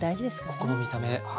ここの見た目あ